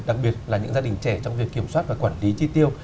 đặc biệt là những gia đình trẻ trong việc kiểm soát và quản lý chi tiêu